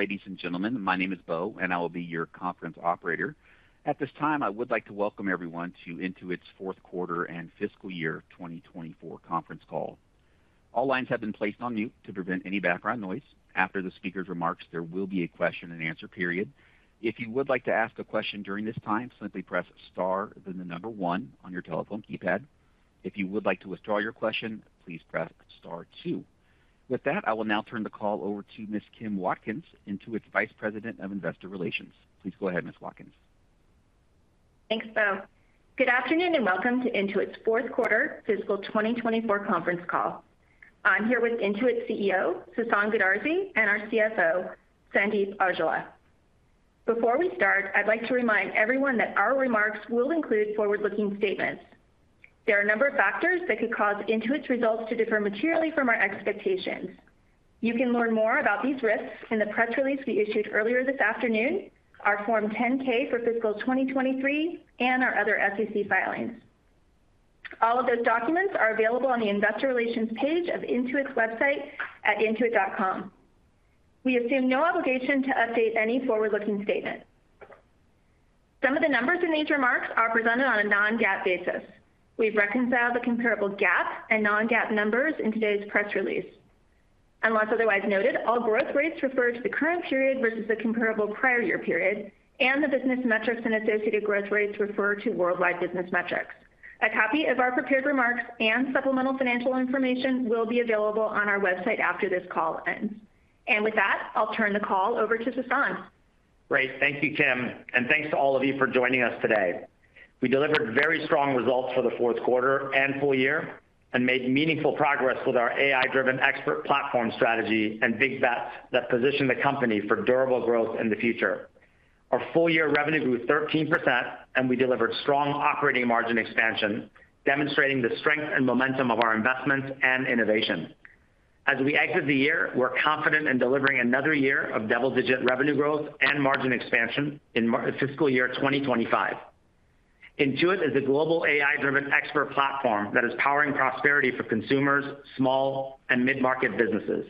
Ladies and gentlemen, my name is Beau, and I will be your conference Operator. At this time, I would like to welcome everyone to Intuit's Q4 and FY 2024 conference call. All lines have been placed on mute to prevent any background noise. After the speaker's remarks, there will be a question-and-answer period. If you would like to ask a question during this time, simply press star, then the number one on your telephone keypad. If you would like to withdraw your question, please press star two. With that, I will now turn the call over to Ms. Kim Watkins, Intuit's Vice President of Investor Relations. Please go ahead, Ms. Watkins. Thanks, Beau. Good afternoon, and welcome to Intuit's Q4 2024 conference call. I'm here with Intuit's CEO, Sasan Goodarzi, and our CFO, Sandeep Aujla. Before we start, I'd like to remind everyone that our remarks will include forward-looking statements. There are a number of factors that could cause Intuit's results to differ materially from our expectations. You can learn more about these risks in the press release we issued earlier this afternoon, our Form 10-K for FY 2023, and our other SEC filings. All of those documents are available on the investor relations page of Intuit's website at intuit.com. We assume no obligation to update any forward-looking statement. Some of the numbers in these remarks are presented on a non-GAAP basis. We've reconciled the comparable GAAP and non-GAAP numbers in today's press release. Unless otherwise noted, all growth rates refer to the current period versus the comparable prior year period, and the business metrics and associated growth rates refer to worldwide business metrics. A copy of our prepared remarks and supplemental financial information will be available on our website after this call ends. And with that, I'll turn the call over to Sasan. Great. Thank you, Kim, and thanks to all of you for joining us today. We delivered very strong results for the Q4 and full year, and made meaningful progress with our AI-driven expert platform strategy and Big Bets that position the company for durable growth in the future. Our full-year revenue grew 13%, and we delivered strong operating margin expansion, demonstrating the strength and momentum of our investments and innovation. As we exit the year, we're confident in delivering another year of double-digit revenue growth and margin expansion in FY 2025. Intuit is a global AI-driven expert platform that is powering prosperity for consumers, small, and mid-market businesses.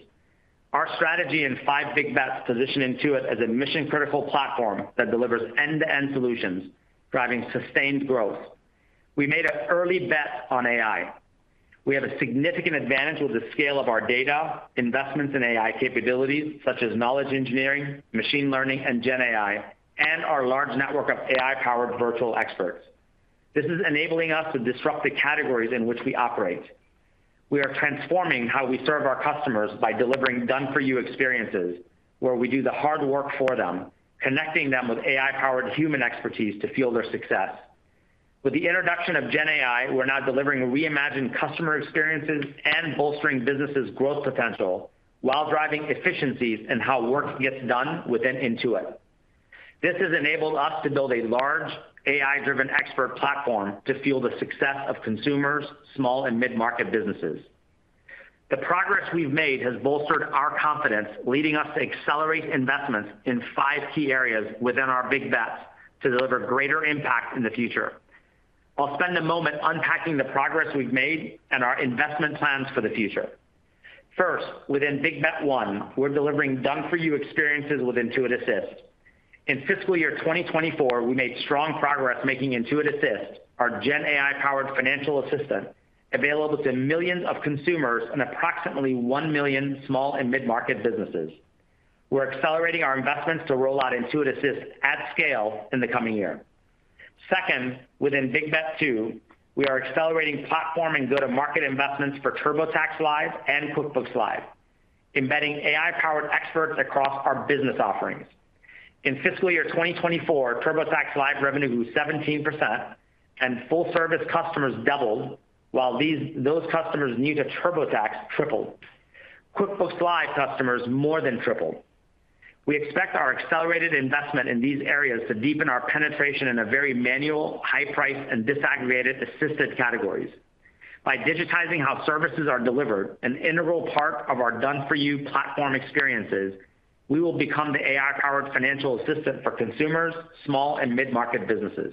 Our strategy and five Big Bets position Intuit as a mission-critical platform that delivers end-to-end solutions, driving sustained growth. We made an early bet on AI. We have a significant advantage with the scale of our data, investments in AI capabilities, such as knowledge engineering, machine learning, and Gen AI, and our large network of AI-powered virtual experts. This is enabling us to disrupt the categories in which we operate. We are transforming how we serve our customers by delivering done-for-you experiences, where we do the hard work for them, connecting them with AI-powered human expertise to fuel their success. With the introduction of Gen AI, we're now delivering reimagined customer experiences and bolstering businesses' growth potential while driving efficiencies in how work gets done within Intuit. This has enabled us to build a large AI-driven expert platform to fuel the success of consumers, small and mid-market businesses. The progress we've made has bolstered our confidence, leading us to accelerate investments in five key areas within our Big Bets to deliver greater impact in the future. I'll spend a moment unpacking the progress we've made and our investment plans for the future. First, within Big Bet 1, we're delivering done-for-you experiences with Intuit Assist. In FY 2024, we made strong progress making Intuit Assist, our Gen AI-powered financial assistant, available to millions of consumers and approximately one million small and mid-market businesses. We're accelerating our investments to roll out Intuit Assist at scale in the coming year. Second, within Big Bet 2, we are accelerating platform and go-to-market investments for TurboTax Live and QuickBooks Live, embedding AI-powered experts across our business offerings. In FY 2024, TurboTax Live revenue grew 17%, and full-service customers doubled, while those customers new to TurboTax tripled. QuickBooks Live customers more than tripled. We expect our accelerated investment in these areas to deepen our penetration in a very manual, high-priced, and disaggregated assisted categories. By digitizing how services are delivered, an integral part of our done-for-you platform experiences, we will become the AI-powered financial assistant for consumers, small and mid-market businesses.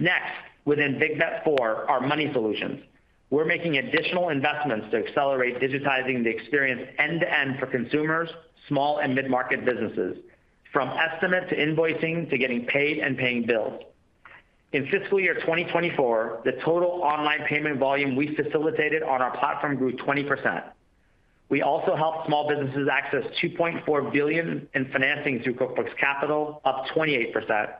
Next, within Big Bet 4, our money solutions. We're making additional investments to accelerate digitizing the experience end-to-end for consumers, small and mid-market businesses, from estimate to invoicing to getting paid and paying bills. In FY 2024, the total online payment volume we facilitated on our platform grew 20%. We also helped small businesses access $2.4 billion in financing through QuickBooks Capital, up 28%,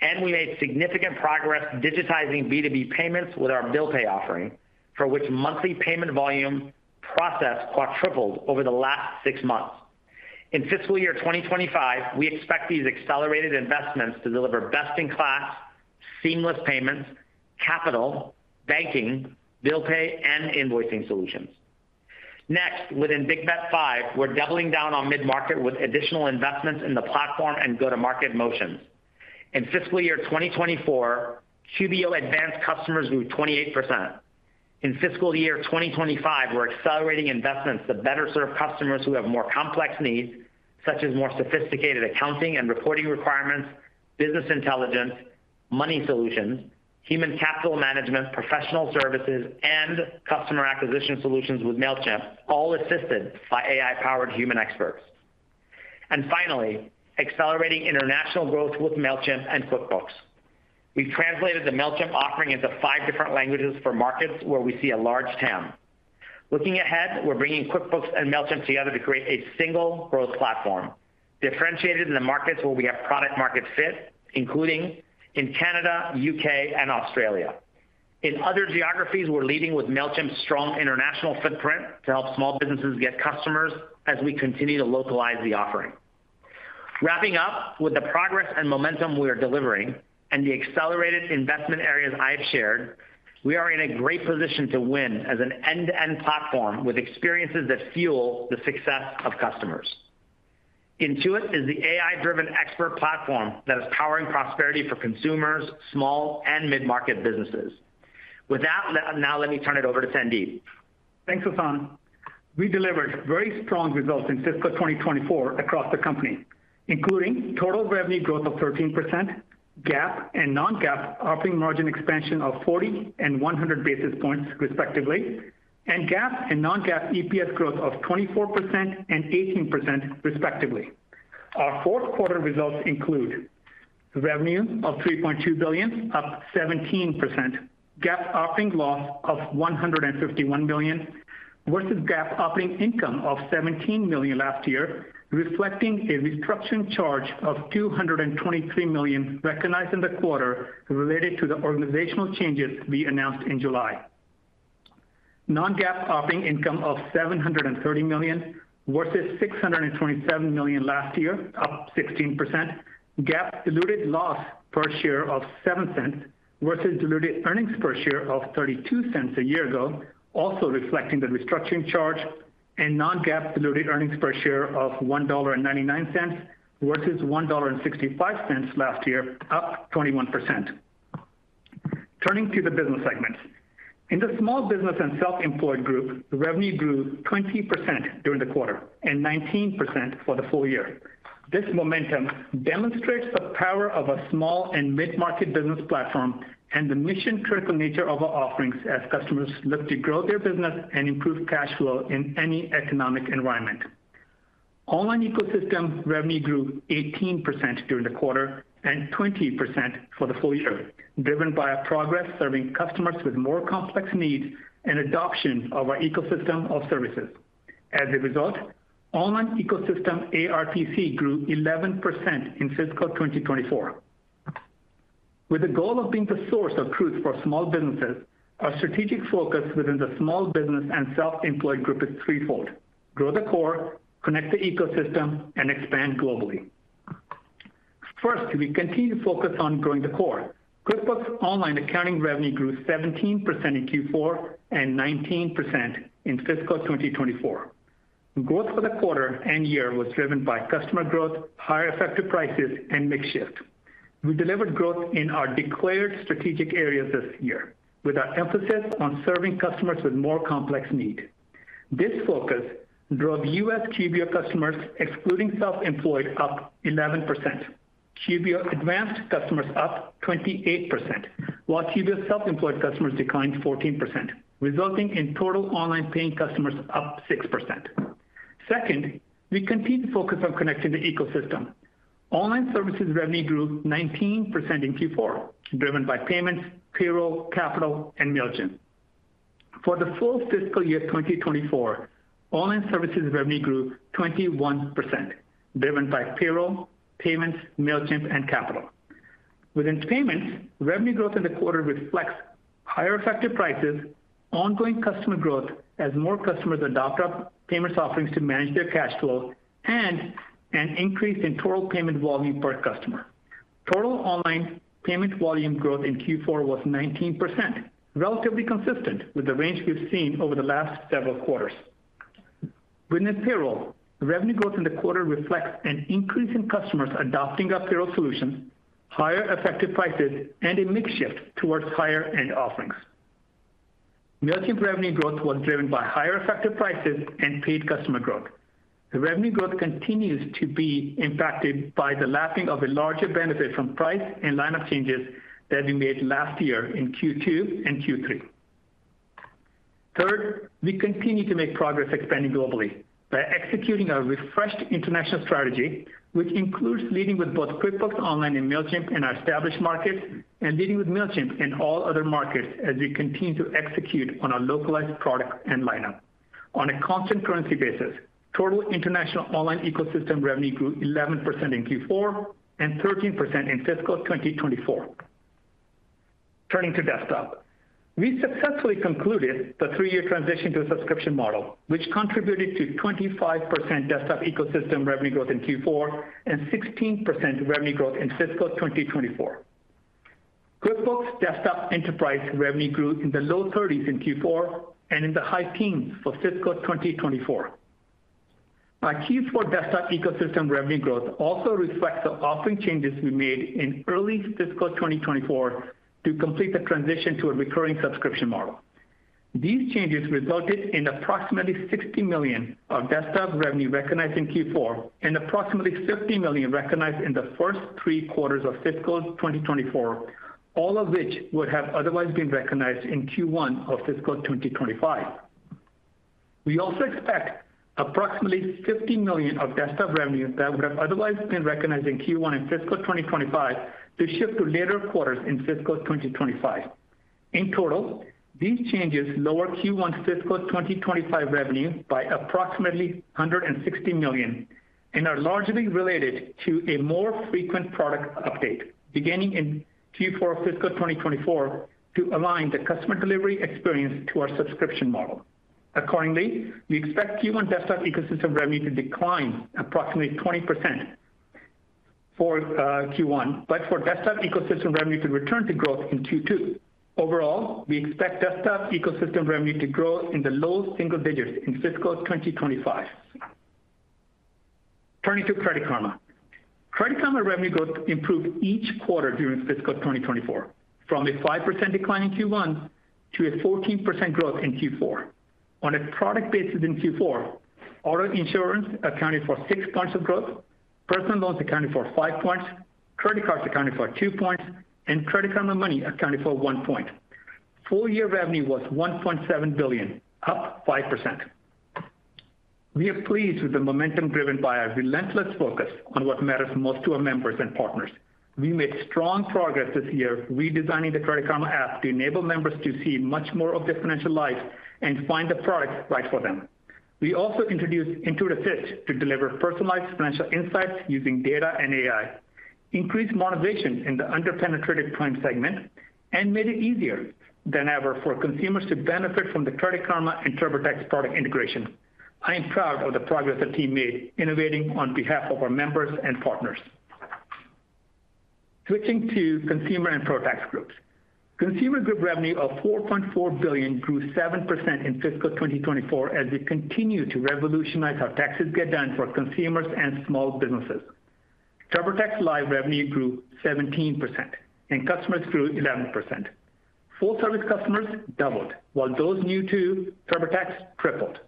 and we made significant progress digitizing B2B payments with our Bill Pay offering, for which monthly payment volume processed quadrupled over the last six months. In FY 2025, we expect these accelerated investments to deliver best-in-class, seamless payments, capital, banking, Bill pay, and invoicing solutions. Next, within Big Bet 5, we're doubling down on mid-market with additional investments in the platform and go-to-market motions. In FY 2024, QBO Advanced customers grew 28%. In FY 2025, we're accelerating investments to better serve customers who have more complex needs, such as more sophisticated accounting and reporting requirements, business intelligence, money solutions, human capital management, professional services, and customer acquisition solutions with Mailchimp, all assisted by AI-powered human experts, and finally accelerating international growth with Mailchimp and QuickBooks. We've translated the Mailchimp offering into five different languages for markets where we see a large TAM. Looking ahead, we're bringing QuickBooks and Mailchimp together to create a single growth platform, differentiated in the markets where we have product-market fit, including in Canada, U.K., and Australia. In other geographies, we're leading with Mailchimp's strong international footprint to help small businesses get customers as we continue to localize the offering. Wrapping up, with the progress and momentum we are delivering and the accelerated investment areas I've shared, we are in a great position to win as an end-to-end platform with experiences that fuel the success of customers. Intuit is the AI-driven expert platform that is powering prosperity for consumers, small, and mid-market businesses. With that, now let me turn it over to Sandeep. Thanks, Sasan. We delivered very strong results in FY 2024 across the company, including total revenue growth of 13%, GAAP and non-GAAP operating margin expansion of 40 and 100 basis points, respectively, and GAAP and non-GAAP EPS growth of 24% and 18%, respectively. Our Q4 results include revenue of $3.2 billion, up 17%, GAAP operating loss of $151 million versus GAAP operating income of $17 million last year, reflecting a restructuring charge of $223 million recognized in the quarter related to the organizational changes we announced in July. Non-GAAP operating income of $730 million versus $627 million last year, up 16%. GAAP diluted loss per share of $0.07 versus diluted earnings per share of $0.32 a year ago, also reflecting the restructuring charge, and non-GAAP diluted earnings per share of $1.99 versus $1.65 last year, up 21%. Turning to the business segments. In the Small Business and Self-Employed Group, revenue grew 20% during the quarter and 19% for the full year. This momentum demonstrates the power of a small and mid-market business platform and the mission-critical nature of our offerings as customers look to grow their business and improve cash flow in any economic environment. Online Ecosystem revenue grew 18% during the quarter and 20% for the full year, driven by our progress serving customers with more complex needs and adoption of our ecosystem of services. As a result, online ecosystem ARPC grew 11% in FY 2024. With the goal of being the source of truth for small businesses, our strategic focus within the Small Business and Self-Employed Group is threefold: grow the core, connect the ecosystem, and expand globally. First, we continue to focus on growing the core. QuickBooks Online accounting revenue grew 17% in Q4 and 19% in FY 2024. Growth for the quarter and year was driven by customer growth, higher effective prices, and mix shift. We delivered growth in our declared strategic areas this year, with our emphasis on serving customers with more complex needs. This focus drove U.S. QBO customers, excluding self-employed, up 11%, QBO Advanced customers up 28%, while QBO Self-Employed customers declined 14%, resulting in total online paying customers up 6%. Second, we continue to focus on connecting the ecosystem. Online services revenue grew 19% in Q4, driven by payments, payroll, capital, and Mailchimp. For the full FY 2024, online services revenue grew 21%, driven by payroll, payments, Mailchimp, and capital. Within payments, revenue growth in the quarter reflects higher effective prices, ongoing customer growth as more customers adopt our payments offerings to manage their cash flow, and an increase in total payment volume per customer. Total online payment volume growth in Q4 was 19%, relatively consistent with the range we've seen over the last several quarters. Within payroll, revenue growth in the quarter reflects an increase in customers adopting our payroll solutions, higher effective prices, and a mix shift towards higher-end offerings. Mailchimp revenue growth was driven by higher effective prices and paid customer growth. The revenue growth continues to be impacted by the lapping of a larger benefit from price and lineup changes that we made last year in Q2 and Q3. Third, we continue to make progress expanding globally by executing our refreshed international strategy, which includes leading with both QuickBooks Online and Mailchimp in our established markets and leading with Mailchimp in all other markets as we continue to execute on our localized product and lineup. On a constant currency basis, total international online ecosystem revenue grew 11% in Q4 and 13% in FY 2024. Turning to desktop, we successfully concluded the three-year transition to a subscription model, which contributed to 25% desktop ecosystem revenue growth in Q4 and 16% revenue growth in FY 2024. QuickBooks Desktop Enterprise revenue grew in the low thirties in Q4 and in the high teens for FY 2024. Our Q4 Desktop Ecosystem revenue growth also reflects the offering changes we made in early FY 2024 to complete the transition to a recurring subscription model. These changes resulted in approximately $60 million of Desktop revenue recognized in Q4, and approximately $50 million recognized in the first three quarters of FY 2024, all of which would have otherwise been recognized in Q1 of FY 2025. We also expect approximately $50 million of Desktop revenue that would have otherwise been recognized in Q1 in FY 2025 to shift to later quarters in FY 2025. In total, these changes lower Q1 FY 2025 revenue by approximately $160 million and are largely related to a more frequent product update, beginning in Q4 of FY 2024, to align the customer delivery experience to our subscription model. Accordingly, we expect Q1 Desktop Ecosystem revenue to decline approximately 20% for Q1, but for Desktop Ecosystem revenue to return to growth in Q2. Overall, we expect Desktop Ecosystem revenue to grow in the low single digits in FY 2025. Turning to Credit Karma. Credit Karma revenue growth improved each quarter during FY 2024, from a 5% decline in Q1 to a 14% growth in Q4. On a product basis in Q4, auto insurance accounted for six points of growth, personal loans accounted for five points, credit cards accounted for two points, and Credit Karma Money accounted for one point. Full-year revenue was $1.7 billion, up 5%. We are pleased with the momentum driven by our relentless focus on what matters most to our members and partners. We made strong progress this year redesigning the Credit Karma app to enable members to see much more of their financial life and find the products right for them. We also introduced Intuitive Fit to deliver personalized financial insights using data and AI, increased monetization in the under-penetrated Prime segment, and made it easier than ever for consumers to benefit from the Credit Karma and TurboTax product integration. I am proud of the progress the team made, innovating on behalf of our members and partners. Switching to Consumer and Pro Tax Groups. Consumer Group revenue of $4.4 billion grew 7% in FY 2024 as we continue to revolutionize how taxes get done for consumers and small businesses. TurboTax Live revenue grew 17%, and customers grew 11%. Full-service customers doubled, while those new to TurboTax tripled.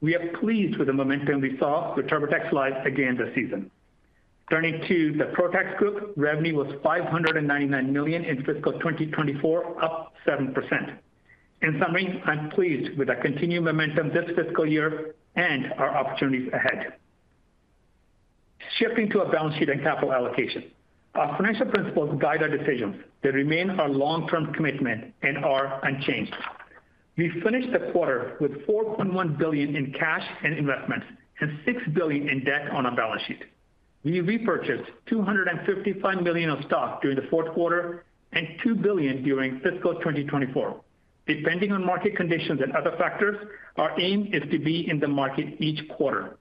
We are pleased with the momentum we saw with TurboTax Live again this season. Turning to the Pro Tax Group, revenue was $599 million in FY 2024, up 7%. In summary, I'm pleased with our continued momentum this FY and our opportunities ahead. Shifting to our balance sheet and capital allocation. Our financial principles guide our decisions. They remain our long-term commitment and are unchanged. We finished the quarter with $4.1 billion in cash and investments and $6 billion in debt on our balance sheet. We repurchased $255 million of stock during the Q4 and $2 billion during FY 2024. Depending on market conditions and other factors, our aim is to be in the market each quarter.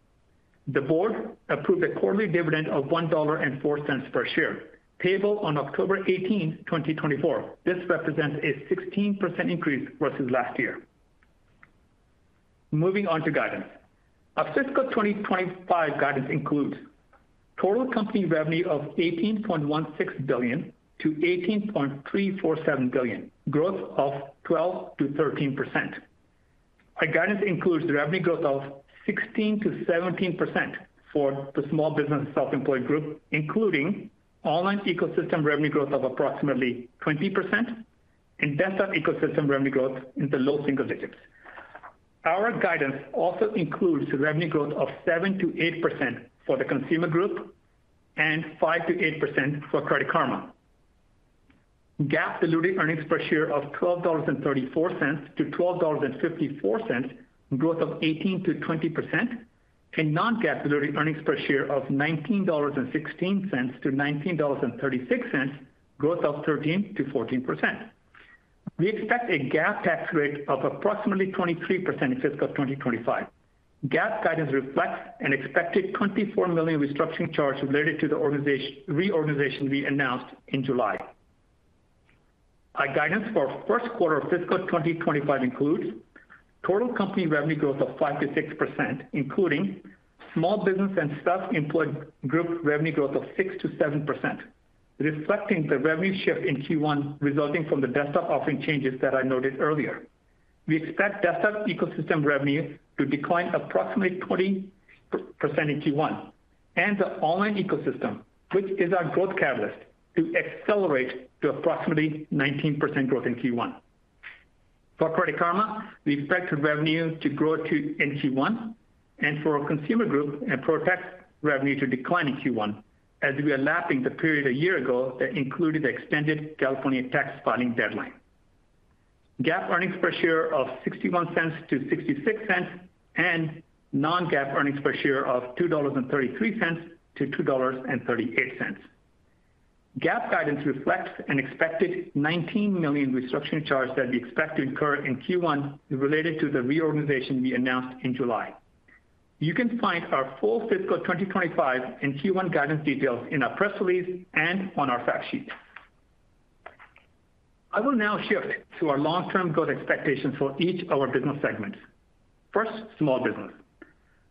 The board approved a quarterly dividend of $1.04 per share, payable on October eighteenth, 2024. This represents a 16% increase versus last year. Moving on to guidance. Our FY 2025 guidance includes total company revenue of $18.16 billion-$18.347 billion, growth of 12%-13%. Our guidance includes the revenue growth of 16%-17% for the Small Business Self-Employed Group, including Online Ecosystem revenue growth of approximately 20% and Desktop Ecosystem revenue growth in the low single digits. Our guidance also includes revenue growth of 7%-8% for the Consumer Group and 5%-8% for Credit Karma. GAAP diluted earnings per share of $12.34-$12.54, growth of 18%-20%, and non-GAAP diluted earnings per share of $19.16-$19.36, growth of 13%-14%. We expect a GAAP tax rate of approximately 23% in FY 2025. GAAP guidance reflects an expected $24 million restructuring charge related to the reorganization we announced in July. Our guidance for our Q1 of FY 2025 includes total company revenue growth of 5%-6%, including Small Business and Self-Employed Group revenue growth of 6%-7%, reflecting the revenue shift in Q1 resulting from the Desktop offering changes that I noted earlier. We expect Desktop Ecosystem revenue to decline approximately 20% in Q1, and the Online Ecosystem, which is our growth catalyst, to accelerate to approximately 19% growth in Q1. For Credit Karma, we expect revenue to grow, too, in Q1, and for our Consumer Group and Pro Tax revenue to decline in Q1, as we are lapping the period a year ago that included the extended California tax filing deadline. GAAP earnings per share of $0.61-$0.66, and non-GAAP earnings per share of $2.33-$2.38. GAAP guidance reflects an expected $19 million restructuring charge that we expect to incur in Q1 related to the reorganization we announced in July. You can find our full FY 2025 and Q1 guidance details in our press release and on our fact sheet. I will now shift to our long-term growth expectations for each of our business segments. First, small business.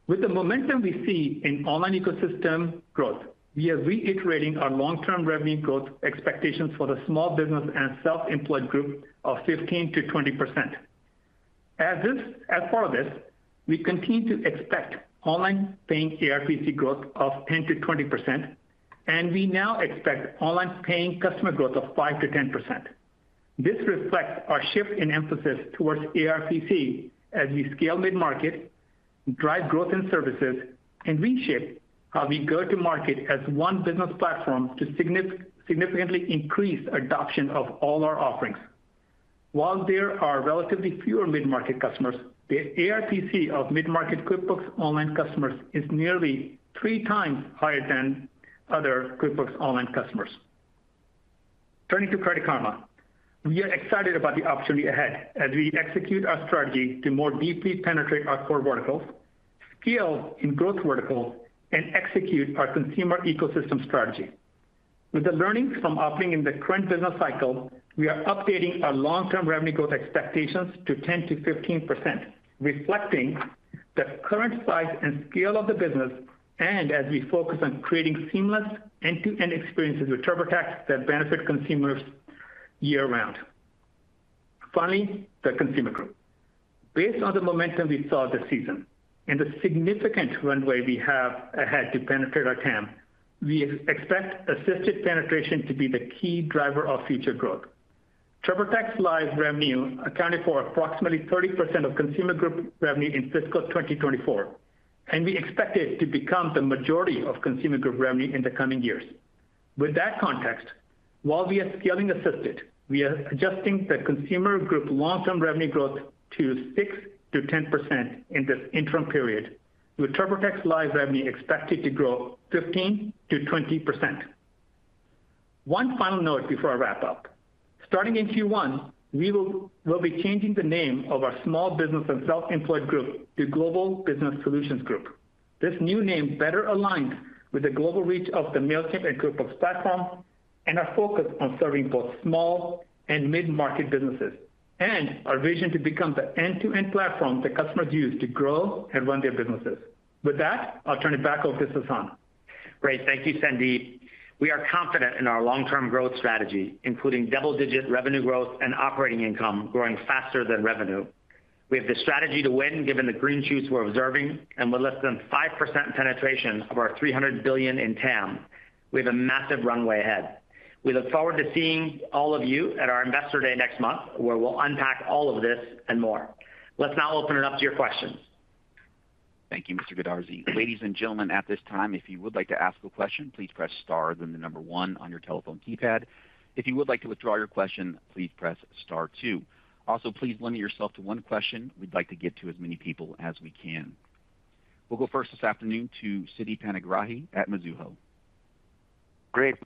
With the momentum we see in online ecosystem growth, we are reiterating our long-term revenue growth expectations for the Small Business and Self-Employed Group of 15%-20%. As part of this, we continue to expect online paying ARPC growth of 10%-20%, and we now expect online paying customer growth of 5%-10%. This reflects our shift in emphasis towards ARPC as we scale mid-market, drive growth in services, and reshape how we go to market as one business platform to significantly increase adoption of all our offerings. While there are relatively fewer mid-market customers, the ARPC of mid-market QuickBooks Online customers is nearly three times higher than other QuickBooks Online customers. Turning to Credit Karma, we are excited about the opportunity ahead as we execute our strategy to more deeply penetrate our core verticals, scale in growth verticals, and execute our consumer ecosystem strategy. With the learnings from operating in the current business cycle, we are updating our long-term revenue growth expectations to 10%-15%, reflecting the current size and scale of the business, and as we focus on creating seamless end-to-end experiences with TurboTax that benefit consumers year-round. Finally, the Consumer Group. Based on the momentum we saw this season and the significant runway we have ahead to penetrate our TAM, we expect assisted penetration to be the key driver of future growth. TurboTax Live revenue accounted for approximately 30% of Consumer Group revenue in FY 2024, and we expect it to become the majority of Consumer Group revenue in the coming years. With that context, while we are scaling assisted, we are adjusting the Consumer Group long-term revenue growth to 6%-10% in this interim period, with TurboTax Live revenue expected to grow 15%-20%. One final note before I wrap up. Starting in Q1, we'll be changing the name of our Small Business and Self-Employed Group to Global Business Solutions Group. This new name better aligns with the global reach of the Mailchimp and QuickBooks platform, and our focus on serving both small and mid-market businesses, and our vision to become the end-to-end platform that customers use to grow and run their businesses. With that, I'll turn it back over to Sasan. Great. Thank you, Sandeep. We are confident in our long-term growth strategy, including double-digit revenue growth and operating income growing faster than revenue. We have the strategy to win, given the green shoots we're observing, and with less than 5% penetration of our $300 billion in TAM, we have a massive runway ahead. We look forward to seeing all of you at our Investor Day next month, where we'll unpack all of this and more. Let's now open it up to your questions. Thank you, Mr. Goodarzi. Ladies and gentlemen, at this time, if you would like to ask a question, please press star, then the number one on your telephone keypad. If you would like to withdraw your question, please press star two. Also, please limit yourself to one question. We'd like to get to as many people as we can. We'll go first this afternoon to Siti Panigrahi at Mizuho. Great,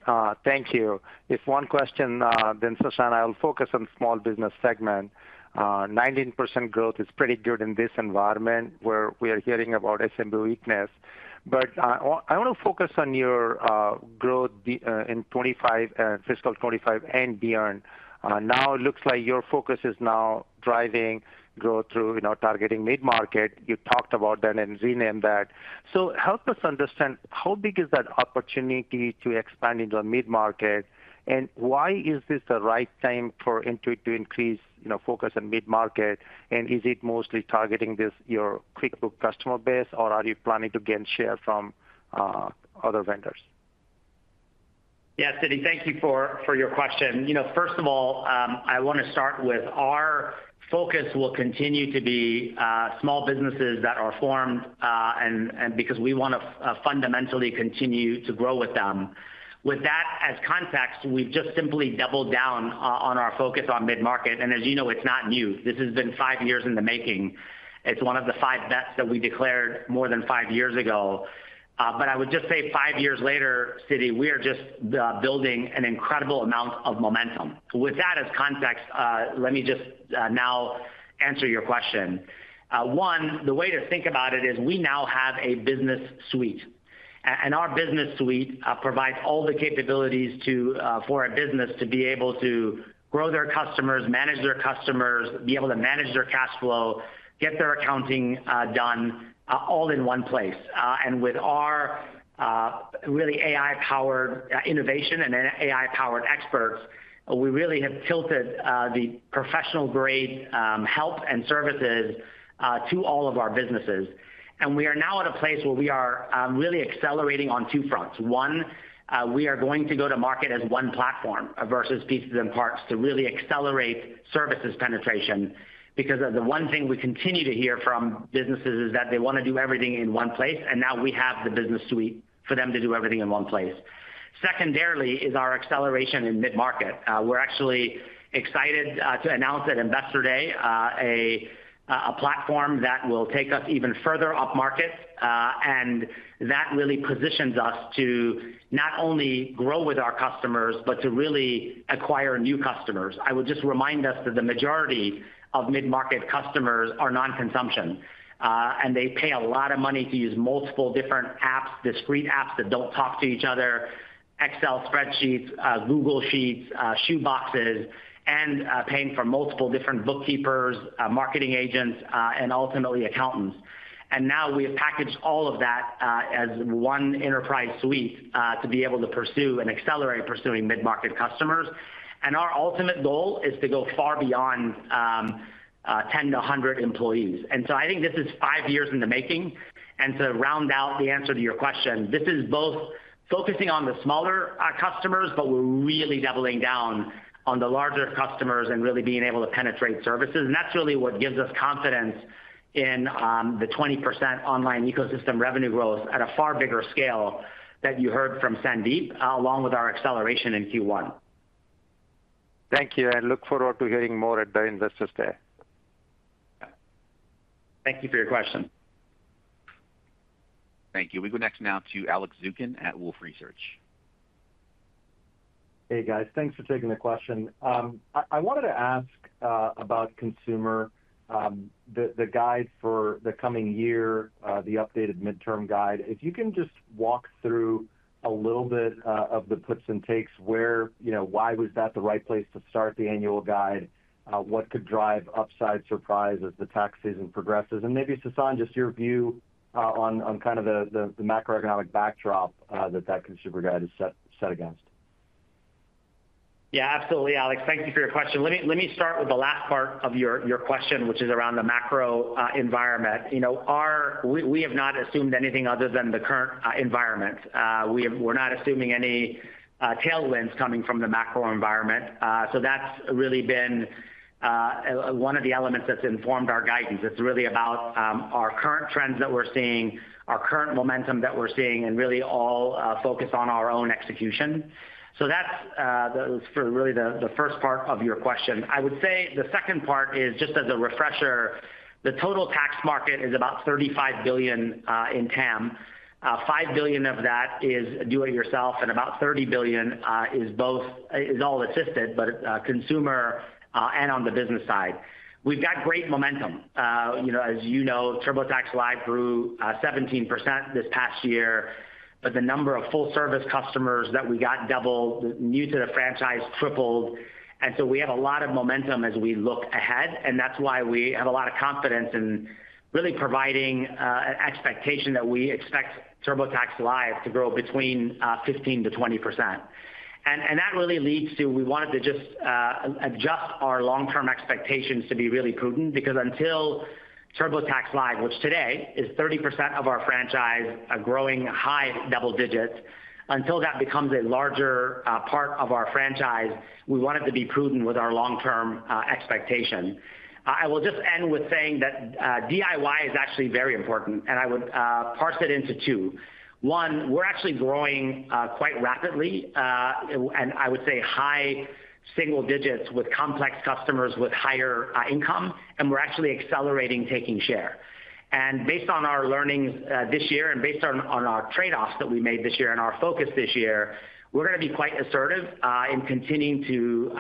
thank you. I have one question, then, Sasan, I'll focus on small business segment. 19% growth is pretty good in this environment, where we are hearing about SMB weakness. But I want to focus on your growth in FY 2025 and beyond. Now it looks like your focus is now driving growth through, you know, targeting mid-market. You talked about that and renamed that. So help us understand, how big is that opportunity to expand into a mid-market? And why is this the right time for Intuit to increase, you know, focus on mid-market? And is it mostly targeting this, your QuickBooks customer base, or are you planning to gain share from other vendors? Yeah, Siti, thank you for your question. You know, first of all, I wanna start with our focus will continue to be small businesses that are formed, and because we wanna fundamentally continue to grow with them. With that as context, we've just simply doubled down on our focus on mid-market, and as you know, it's not new. This has been five years in the making. It's one of the five bets that we declared more than five years ago. But I would just say five years later, Siti, we are just building an incredible amount of momentum. With that as context, let me just now answer your question. One, the way to think about it is we now have a business Suite, and our business Suite provides all the capabilities to for a business to be able to grow their customers, manage their customers, be able to manage their cash flow, get their accounting done, all in one place. And with our really AI-powered innovation and AI-powered experts, we really have tilted the professional-grade help and services to all of our businesses. And we are now at a place where we are really accelerating on two fronts. One, we are going to go to market as one platform versus pieces and parts to really accelerate services penetration, because the one thing we continue to hear from businesses is that they wanna do everything in one place, and now we have the business Suite for them to do everything in one place. Secondarily, is our acceleration in mid-market. We're actually excited to announce at Investor Day, a platform that will take us even further upmarket and that really positions us to not only grow with our customers but to really acquire new customers. I would just remind us that the majority of mid-market customers are non-consumption, and they pay a lot of money to use multiple different apps, discrete apps that don't talk to each other, Excel Spreadsheets, Google Sheets, Shoeboxes, and paying for multiple different bookkeepers, marketing agents, and ultimately accountants. And now we have packaged all of that as one Enterprise Suite to be able to pursue and accelerate pursuing mid-market customers. And our ultimate goal is to go far beyond 10 to 100 employees. And so I think this is five years in the making. And to round out the answer to your question, this is both focusing on the smaller customers, but we're really doubling down on the larger customers and really being able to penetrate services. That's really what gives us confidence in the 20% online ecosystem revenue growth at a far bigger scale that you heard from Sandeep, along with our acceleration in Q1. Thank you, I look forward to hearing more at the Investors Day. Thank you for your question. Thank you. We go next now to Alex Zukin at Wolfe Research. Hey, guys. Thanks for taking the question. I wanted to ask about consumer, the guide for the coming year, the updated midterm guide. If you can just walk through a little bit of the puts and takes where, you know, why was that the right place to start the annual guide? What could drive upside surprise as the tax season progresses? And maybe, Sasan, just your view on kind of the macroeconomic backdrop that consumer guide is set against. Yeah, absolutely, Alex, thank you for your question. Let me start with the last part of your question, which is around the macro environment. You know, we have not assumed anything other than the current environment. We're not assuming any tailwinds coming from the macro environment. So that's really been one of the elements that's informed our guidance. It's really about our current trends that we're seeing, our current momentum that we're seeing, and really all focused on our own execution. So that's for really the first part of your question. I would say the second part is, just as a refresher, the total tax market is about thirty-five billion in TAM. Five billion of that is do-it-yourself, and about thirty billion is both... It is all assisted, but consumer and on the business side. We've got great momentum. You know, as you know, TurboTax Live grew 17% this past year, but the number of full-service customers that we got doubled, new to the franchise tripled. So we have a lot of momentum as we look ahead, and that's why we have a lot of confidence in really providing an expectation that we expect TurboTax Live to grow between 15%-20%. And that really leads to we wanted to just adjust our long-term expectations to be really prudent, because until TurboTax Live, which today is 30% of our franchise, growing high double digits, until that becomes a larger part of our franchise, we wanted to be prudent with our long-term expectation. I will just end with saying that DIY is actually very important, and I would parse it into two. One, we're actually growing quite rapidly, and I would say high single digits with complex customers with higher income, and we're actually accelerating, taking share. And based on our learnings this year and based on our trade-offs that we made this year and our focus this year, we're gonna be quite assertive in continuing to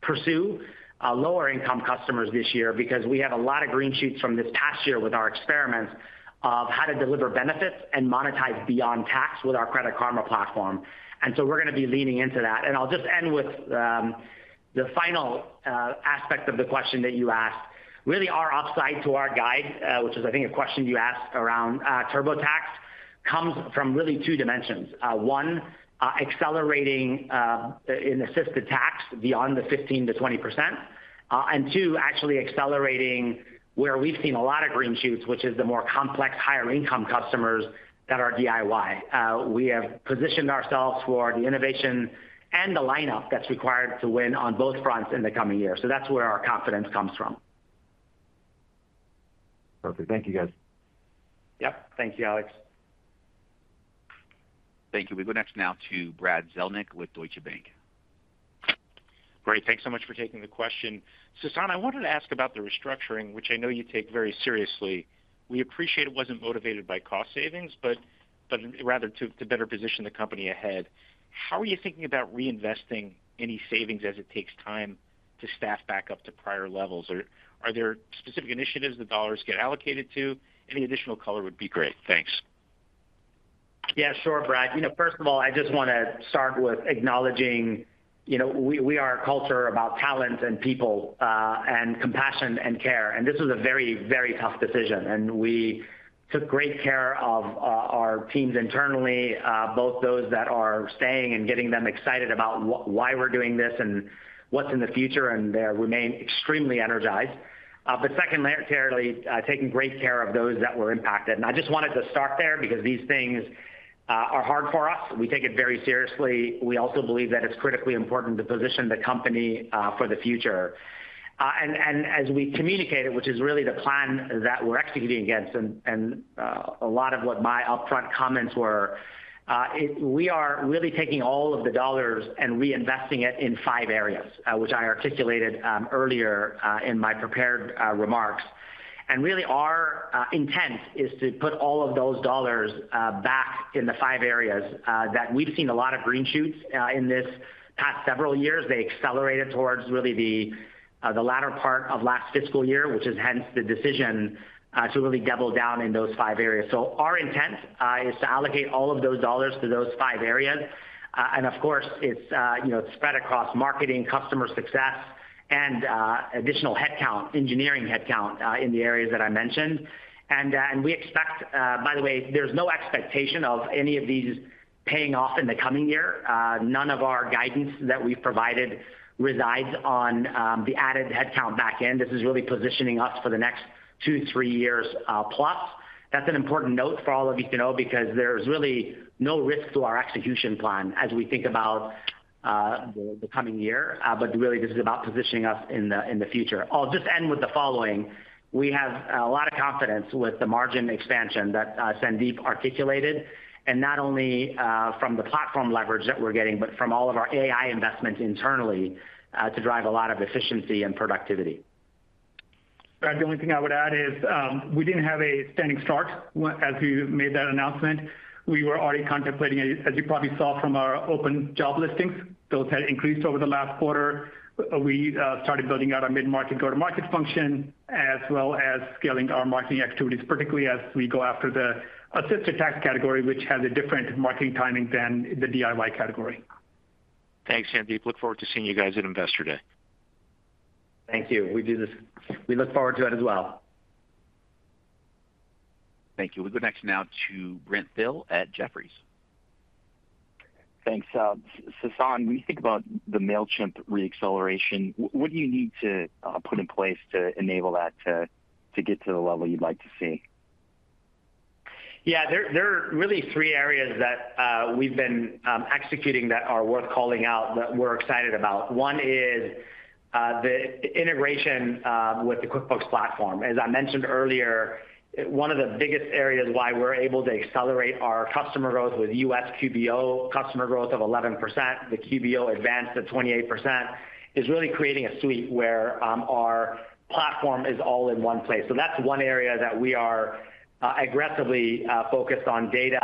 pursue lower-income customers this year, because we had a lot of green shoots from this past year with our experiments of how to deliver benefits and monetize beyond tax with our Credit Karma platform. And so we're gonna be leaning into that. And I'll just end with the final aspect of the question that you asked. Really, our upside to our guide, which is, I think, a question you asked around, TurboTax, comes from really two dimensions. One, accelerating, in assisted tax beyond the 15%-20%, and two, actually accelerating, where we've seen a lot of green shoots, which is the more complex, higher income customers that are DIY. We have positioned ourselves for the innovation and the lineup that's required to win on both fronts in the coming year. So that's where our confidence comes from. Perfect. Thank you, guys. Yep. Thank you, Alex. Thank you. We go next now to Brad Zelnick with Deutsche Bank. Great. Thanks so much for taking the question. Sasan, I wanted to ask about the restructuring, which I know you take very seriously. We appreciate it wasn't motivated by cost savings, but rather to better position the company ahead. How are you thinking about reinvesting any savings, as it takes time to staff back up to prior levels? Or are there specific initiatives the dollars get allocated to? Any additional color would be great. Thanks. Yeah, sure, Brad. You know, first of all, I just wanna start with acknowledging, you know, we are a culture about talent and people, and compassion and care, and this was a very, very tough decision, and we took great care of our teams internally, both those that are staying and getting them excited about why we're doing this and what's in the future, and they remain extremely energized, but secondly, taking great care of those that were impacted, and I just wanted to start there because these things are hard for us, and we take it very seriously. We also believe that it's critically important to position the company for the future. And as we communicated, which is really the plan that we're executing against, a lot of what my upfront comments were, we are really taking all of the dollars and reinvesting it in five areas, which I articulated earlier in my prepared remarks. And really, our intent is to put all of those dollars back in the five areas that we've seen a lot of green shoots in this past several years. They accelerated towards really the latter part of last FY, which is hence the decision to really double down in those five areas. So our intent is to allocate all of those dollars to those five areas. And of course, it's you know spread across marketing, customer success, and additional headcount, engineering headcount, in the areas that I mentioned. And we expect. By the way, there's no expectation of any of these paying off in the coming year. None of our guidance that we've provided resides on the added headcount back end. This is really positioning us for the next two, three years, plus. That's an important note for all of you to know, because there's really no risk to our execution plan as we think about the coming year, but really, this is about positioning us in the future. I'll just end with the following: We have a lot of confidence with the margin expansion that Sandeep articulated, and not only from the platform leverage that we're getting, but from all of our AI investments internally to drive a lot of efficiency and productivity. Brad, the only thing I would add is, we didn't have a standing start as we made that announcement. We were already contemplating it, as you probably saw from our open job listings. Those had increased over the last quarter. We started building out our mid-market go-to-market function, as well as scaling our marketing activities, particularly as we go after the assisted tax category, which has a different marketing timing than the DIY category. Thanks, Sandeep. Look forward to seeing you guys at Investor Day. Thank you. We look forward to it as well. Thank you. We'll go next now to Brent Thill at Jefferies. Thanks. Sasan, when you think about the Mailchimp reacceleration, what do you need to put in place to enable that to get to the level you'd like to see? Yeah, there, there are really three areas that we've been executing that are worth calling out, that we're excited about. One is the integration with the QuickBooks platform. As I mentioned earlier, one of the biggest areas why we're able to accelerate our customer growth with U.S. QBO, customer growth of 11%, the QBO Advanced to 28%, is really creating a suite where our platform is all in one place. So that's one area that we are aggressively focused on, data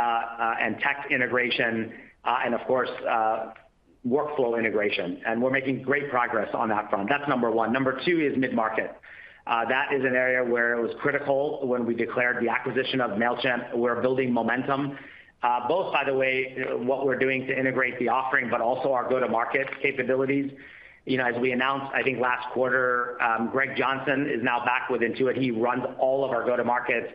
and tax integration, and of course, workflow integration, and we're making great progress on that front. That's number one. Number two is mid-market. That is an area where it was critical when we declared the acquisition of Mailchimp. We're building momentum, both by the way, what we're doing to integrate the offering, but also our go-to-market capabilities. You know, as we announced, I think last quarter, Greg Johnson is now back with Intuit. He runs all of our go-to-markets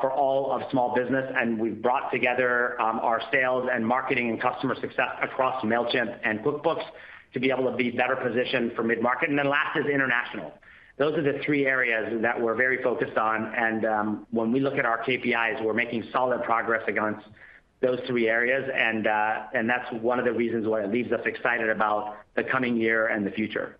for all of small business, and we've brought together our sales, and marketing, and customer success across Mailchimp and QuickBooks to be able to be better positioned for mid-market. And then last is international. Those are the three areas that we're very focused on, and when we look at our KPIs, we're making solid progress against those three areas, and that's one of the reasons why it leaves us excited about the coming year and the future.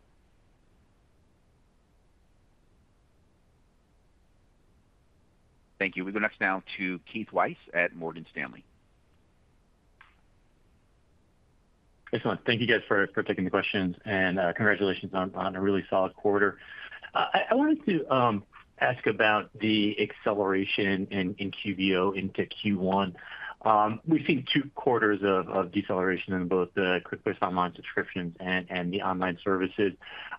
Thank you. We go next now to Keith Weiss at Morgan Stanley. Excellent. Thank you, guys, for taking the questions, and congratulations on a really solid quarter. I wanted to ask about the acceleration in QBO into Q1. We've seen two quarters of deceleration in both the QuickBooks Online subscriptions and the online services.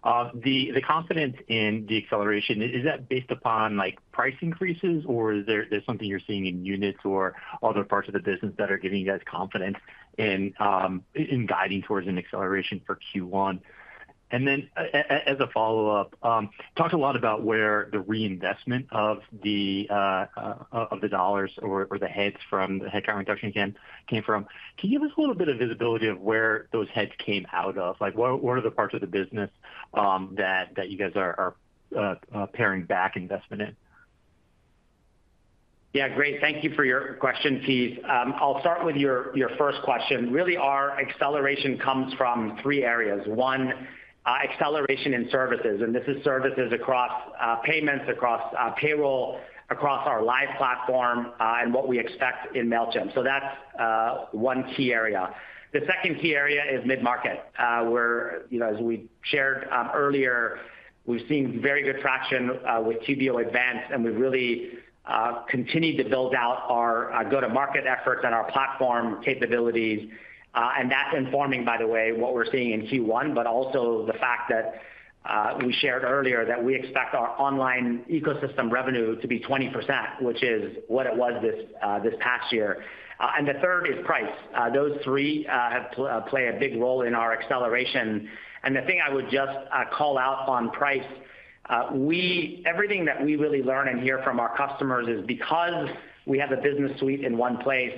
The confidence in the acceleration is that based upon, like, price increases, or there's something you're seeing in units or other parts of the business that are giving you guys confidence in guiding towards an acceleration for Q1? And then, as a follow-up, talked a lot about where the reinvestment of the dollars or the heads from the headcount reduction again came from. Can you give us a little bit of visibility of where those heads came out of? Like, what are the parts of the business that you guys are paring back investment in? Yeah, great. Thank you for your question, Keith. I'll start with your first question. Really, our acceleration comes from three areas. One, acceleration in services, and this is services across payments, across payroll, across our live platform, and what we expect in Mailchimp. So that's one key area. The second key area is mid-market, where, you know, as we shared earlier, we've seen very good traction with QBO Advanced, and we've really continued to build out our go-to-market efforts and our platform capabilities. And that's informing, by the way, what we're seeing in Q1, but also the fact that we shared earlier, that we expect our online ecosystem revenue to be 20%, which is what it was this this past year. And the third is price. Those three play a big role in our acceleration. And the thing I would just call out on price. Everything that we really learn and hear from our customers is because we have a business Suite in one place.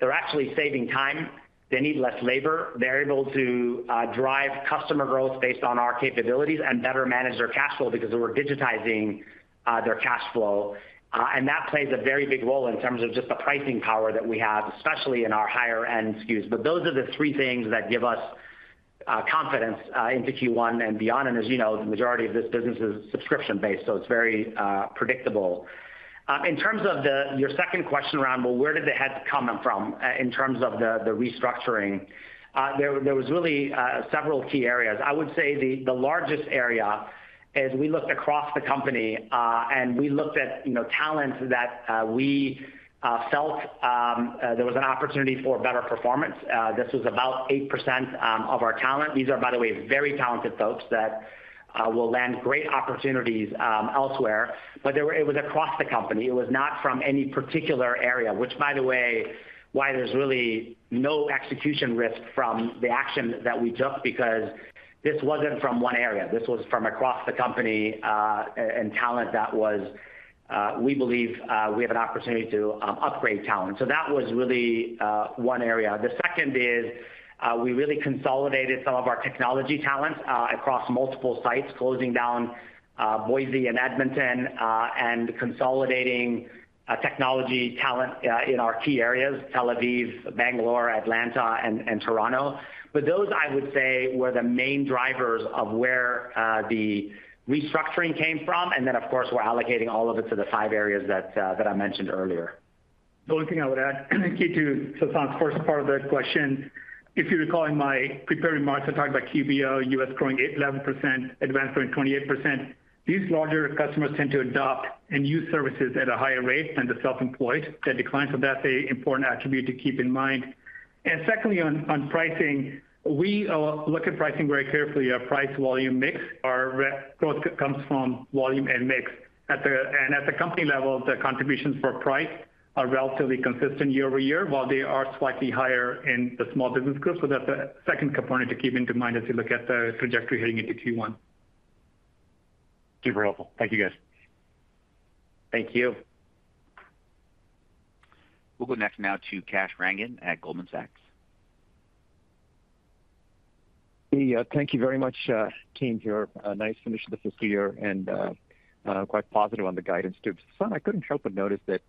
They're actually saving time, they need less labor, they're able to drive customer growth based on our capabilities, and better manage their cash flow because we're digitizing their cash flow. And that plays a very big role in terms of just the pricing power that we have, especially in our higher-end SKUs. But those are the three things that give us confidence into Q1 and beyond. And as you know, the majority of this business is subscription-based, so it's very predictable. In terms of your second question, around where the headcount is coming from in terms of the restructuring. There was really several key areas. I would say the largest area is we looked across the company, and we looked at you know talents that we felt there was an opportunity for better performance. This was about 8% of our talent. These are, by the way, very talented folks that will land great opportunities elsewhere. But they were. It was across the company. It was not from any particular area, which by the way why there's really no execution risk from the action that we took, because this wasn't from one area. This was from across the company, and talent that was, we believe, we have an opportunity to upgrade talent. So that was really one area. The second is, we really consolidated some of our technology talent across multiple sites, closing down Boise and Edmonton, and consolidating technology talent in our key areas, Tel Aviv, Bangalore, Atlanta, and Toronto. But those, I would say, were the main drivers of where the restructuring came from, and then, of course, we're allocating all of it to the five areas that I mentioned earlier. The only thing I would add, key to Sasan's first part of the question, if you recall, in my prepared remarks, I talked about QBO U.S. growing 8%-11%, Advanced growing 28%. These larger customers tend to adopt and use services at a higher rate than the self-employed. The declines, that's an important attribute to keep in mind. And secondly, on pricing, we look at pricing very carefully, our price volume mix. Our revenue growth comes from volume and mix. At the company level, the contributions for price are relatively consistent year-over-year, while they are slightly higher in the Small Business Group. So that's the second component to keep in mind as you look at the trajectory heading into Q1. Super helpful. Thank you, guys. Thank you. We'll go next now to Kash Rangan at Goldman Sachs. Hey, thank you very much, team, here. Nice finish to the fifth year, and quite positive on the guidance, too. Sasan, I couldn't help but notice that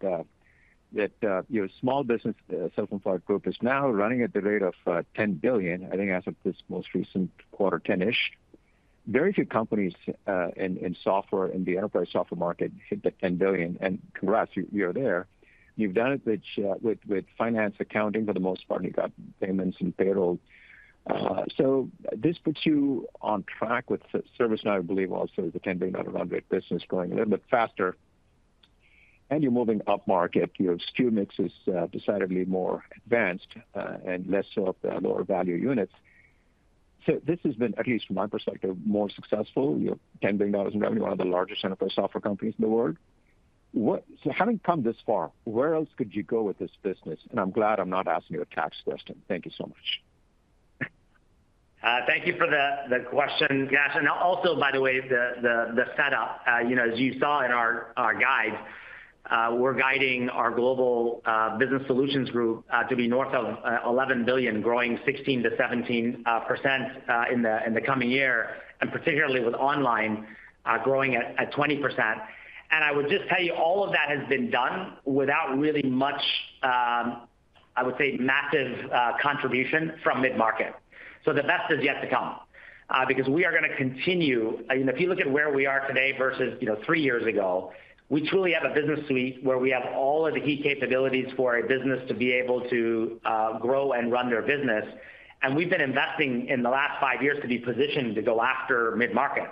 your Small Business Self-Employed Group is now running at the rate of $10 billion, I think, as of this most recent quarter, 10-ish. Very few companies in software, in the Enterprise Software market, hit the $10 billion, and congrats, you are there. You've done it with finance accounting, for the most part, you got payments and payroll. So this puts you on track with ServiceNow, I believe, also the $10 billion dollar run rate business growing a little bit faster, and you're moving upmarket. Your SKU mix is decidedly more advanced, and less so of the lower-value units. So this has been, at least from my perspective, more successful. You're a $10 billion in revenue, one of the largest Enterprise Software companies in the world. So, having come this far, where else could you go with this business? And I'm glad I'm not asking you a tax question. Thank you so much. Thank you for the question, Kash. And also, by the way, the setup, you know, as you saw in our guide, we're guiding our Global Business Solutions Group to be north of $11 billion, growing 16%-17% in the coming year, and particularly with online growing at 20%. And I would just tell you, all of that has been done without really much, I would say, massive contribution from mid-market. So the best is yet to come, because we are gonna continue. You know, if you look at where we are today versus, you know, three years ago, we truly have a business Suite where we have all of the key capabilities for a business to be able to grow and run their business. And we've been investing in the last five years to be positioned to go after mid-market.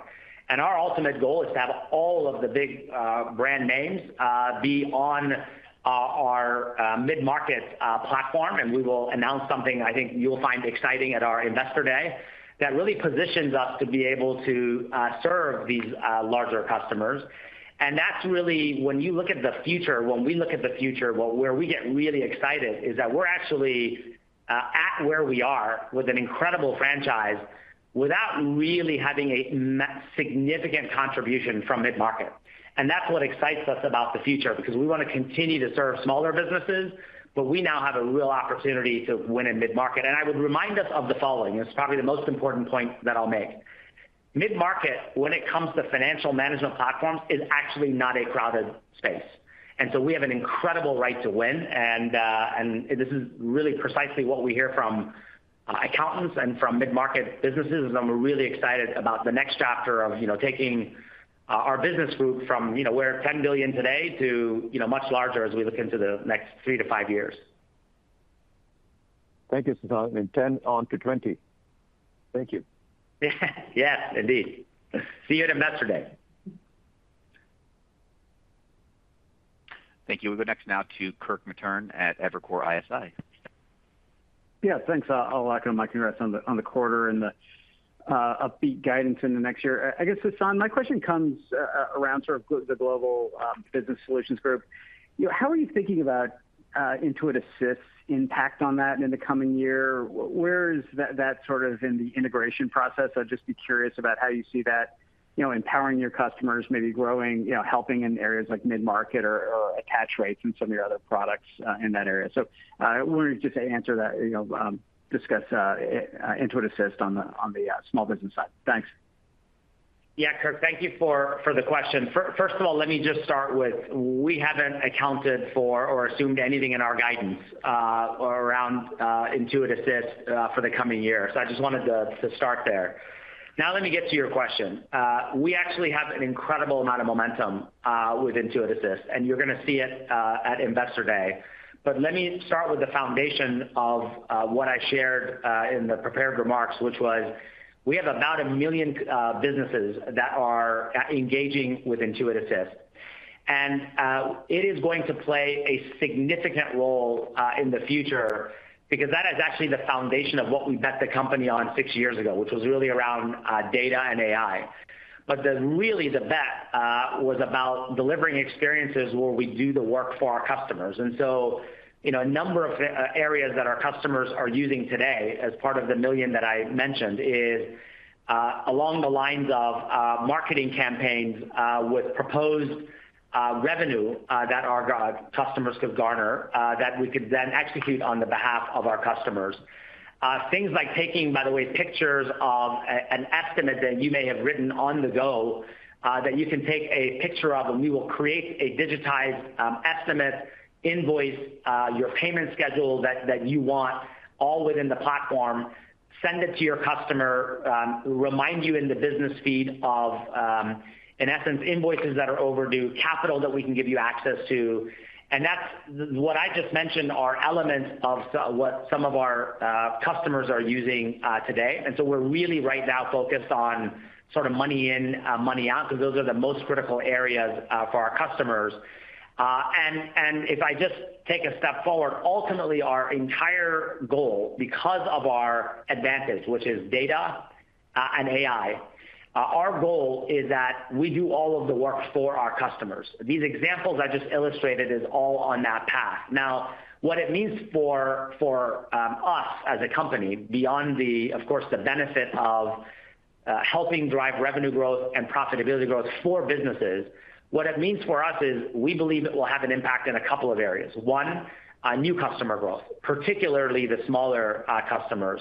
And our ultimate goal is to have all of the big brand names be on our mid-market platform, and we will announce something I think you'll find exciting at our Investor Day, that really positions us to be able to serve these larger customers. And that's really when you look at the future, when we look at the future. Well, where we get really excited is that we're actually at where we are with an incredible franchise, without really having a significant contribution from mid-market. And that's what excites us about the future, because we want to continue to serve smaller businesses, but we now have a real opportunity to win in mid-market. And I would remind us of the following. It's probably the most important point that I'll make: mid-market, when it comes to financial management platforms, is actually not a crowded space, and so we have an incredible right to win. And this is really precisely what we hear from accountants and from mid-market businesses, and we're really excited about the next chapter of you know taking our business group from you know we're at $10 billion today to you know much larger as we look into the next three to five years. Thank you, Sasan, and then on to 20. Thank you. Yes, indeed. See you at Investor Day. Thank you. We'll go next now to Kirk Materne at Evercore ISI. Yeah, thanks, all, and my congrats on the quarter and the upbeat guidance in the next year. I guess, Sasan, my question comes around sort of the Global Business Solutions Group. You know, how are you thinking about Intuit Assist's impact on that in the coming year? Where is that sort of in the integration process? I'd just be curious about how you see that, you know, empowering your customers, maybe growing, you know, helping in areas like mid-market or attach rates and some of your other products in that area. So, I wanted you to just answer that, you know, discuss Intuit Assist on the small business side. Thanks. Yeah, Kirk, thank you for the question. First of all, let me just start with, we haven't accounted for or assumed anything in our guidance around Intuit Assist for the coming year. So I just wanted to start there. Now, let me get to your question. We actually have an incredible amount of momentum with Intuit Assist, and you're gonna see it at Investor Day. But let me start with the foundation of what I shared in the prepared remarks, which was: We have about a million businesses that are engaging with Intuit Assist. And it is going to play a significant role in the future, because that is actually the foundation of what we bet the company on six years ago, which was really around data and AI. But really, the bet was about delivering experiences where we do the work for our customers. And so you know, a number of areas that our customers are using today as part of the million that I mentioned is along the lines of marketing campaigns with proposed revenue that our customers could garner that we could then execute on behalf of our customers. Things like taking, by the way, pictures of an estimate that you may have written on the go that you can take a picture of, and we will create a digitized estimate, invoice, your payment schedule that you want, all within the platform, send it to your customer, remind you in the business feed of, in essence, invoices that are overdue, capital that we can give you access to. And that's what I just mentioned are elements of what some of our customers are using today. And so we're really right now focused on sort of money in, money out, because those are the most critical areas for our customers. And if I just take a step forward, ultimately, our entire goal, because of our advantage, which is data and AI, our goal is that we do all of the work for our customers. These examples I just illustrated is all on that path. Now, what it means for us as a company, beyond, of course, the benefit of helping drive revenue growth and profitability growth for businesses, what it means for us is we believe it will have an impact in a couple of areas. One, new customer growth, particularly the smaller customers,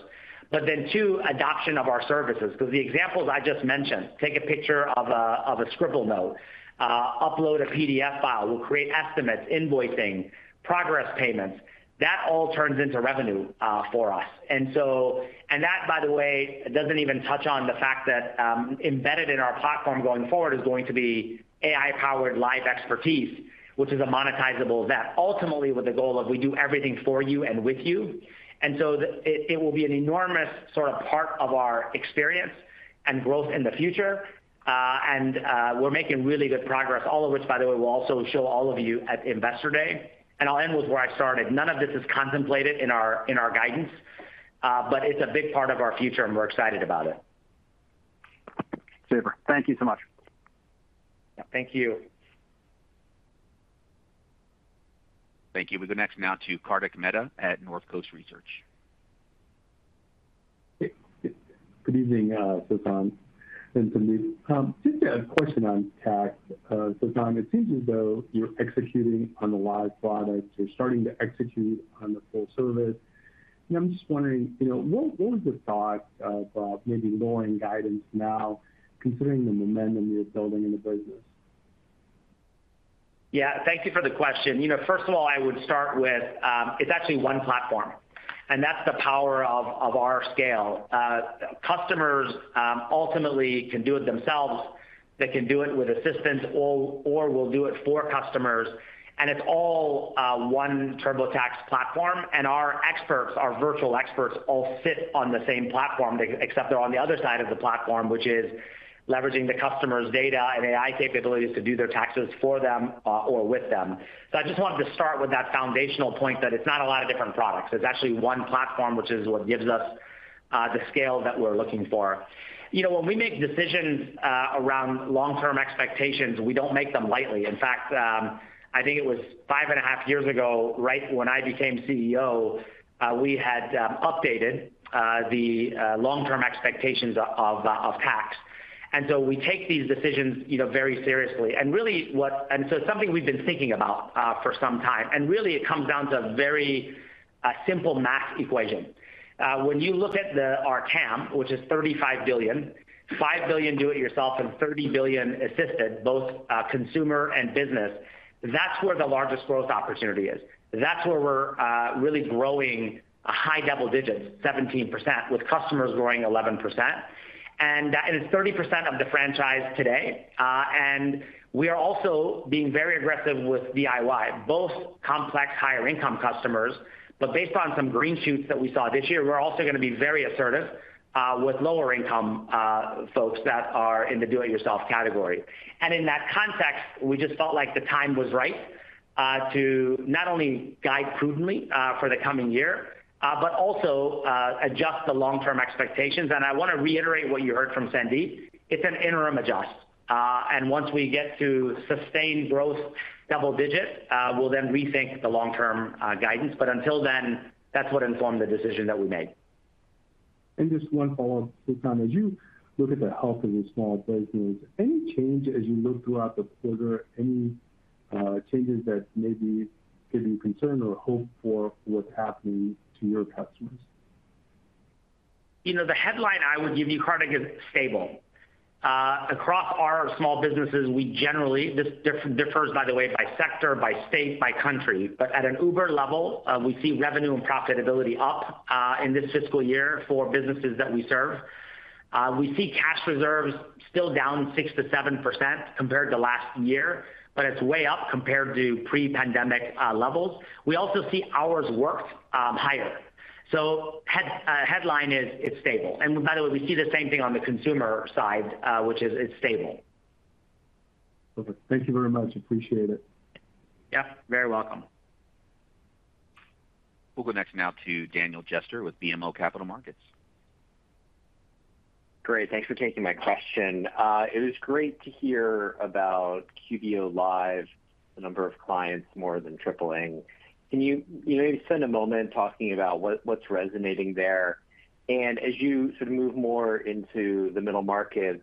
but then, two, adoption of our services. Because the examples I just mentioned, take a picture of a, of a scribble note, upload a PDF file. We'll create estimates, invoicing, progress payments. That all turns into revenue for us, and so. And that, by the way, doesn't even touch on the fact that, embedded in our platform going forward, is going to be AI-powered live expertise, which is a monetizable asset, ultimately with the goal of we do everything for you and with you. And so the, it, it will be an enormous sort of part of our experience and growth in the future. And, we're making really good progress, all of which, by the way, we'll also show all of you at Investor Day. And I'll end with where I started. None of this is contemplated in our guidance, but it's a big part of our future, and we're excited about it. Super. Thank you so much. Thank you. Thank you. We'll go next now to Kartik Mehta at North Coast Research. Good evening, Sasan and Sandeep. Just a question on tax. Sasan, it seems as though you're executing on the live products. You're starting to execute on the full service, and I'm just wondering, you know, what, what is the thought of maybe lowering guidance now, considering the momentum you're building in the business? Yeah, thank you for the question. You know, first of all, I would start with, it's actually one platform, and that's the power of our scale. Customers ultimately can do it themselves. They can do it with assistance or we'll do it for customers, and it's all one TurboTax platform, and our experts, our virtual experts, all sit on the same platform, except they're on the other side of the platform, which is leveraging the customer's data and AI capabilities to do their taxes for them or with them. So I just wanted to start with that foundational point, that it's not a lot of different products. It's actually one platform, which is what gives us the scale that we're looking for. You know, when we make decisions around long-term expectations, we don't make them lightly. In fact, I think it was five and a half years ago, right when I became CEO, we had updated the long-term expectations of tax. And so we take these decisions, you know, very seriously. And really, and so it's something we've been thinking about for some time, and really it comes down to a very simple math equation. When you look at our TAM, which is $35 billion, $5 billion do it yourself, and $30 billion assisted, both consumer and business, that's where the largest growth opportunity is. That's where we're really growing a high double digits, 17%, with customers growing 11%. And that it is 30% of the franchise today. And we are also being very aggressive with DIY, both complex higher income customers, but based on some green shoots that we saw this year, we're also going to be very assertive with lower income folks that are in the do-it-yourself category. And in that context, we just felt like the time was right to not only guide prudently for the coming year but also adjust the long-term expectations. And I want to reiterate what you heard from Sandeep. It's an interim adjust, and once we get to sustained growth double digits, we'll then rethink the long-term guidance, but until then, that's what informed the decision that we made. Just one follow-up, Sasan. As you look at the health of the small business, any change as you look throughout the quarter, any changes that maybe give you concern or hope for what's happening to your customers? You know, the headline I would give you, Kartik, is stable. Across our small businesses, we generally. This differs, by the way, by sector, by state, by country, but at a high level, we see revenue and profitability up in this FY for businesses that we serve. We see cash reserves still down 6%-7% compared to last year, but it's way up compared to pre-pandemic levels. We also see hours worked higher. So headline is, it's stable. And by the way, we see the same thing on the consumer side, which is it's stable. Okay. Thank you very much. Appreciate it. Yeah, very welcome. We'll go next now to Daniel Jester with BMO Capital Markets. Great, thanks for taking my question. It is great to hear about QBO Live, the number of clients more than tripling. Can you, you know, maybe spend a moment talking about what, what's resonating there? And as you sort of move more into the middle market,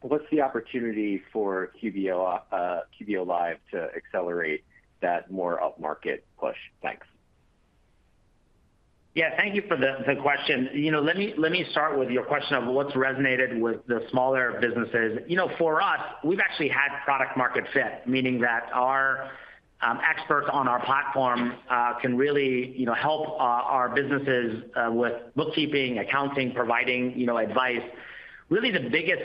what's the opportunity for QBO, QBO Live to accelerate that more upmarket push? Thanks. Yeah, thank you for the question. You know, let me start with your question of what's resonated with the smaller businesses. You know, for us, we've actually had product-market fit, meaning that our experts on our platform can really, you know, help our businesses with bookkeeping, accounting, providing, you know, advice. Really, the biggest